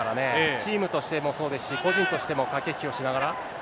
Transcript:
チームとしてもそうですし、個人としても、駆け引きをしながら。